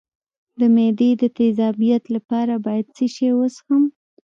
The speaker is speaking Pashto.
د معدې د تیزابیت لپاره باید څه شی وڅښم؟